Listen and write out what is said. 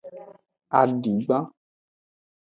Adigban.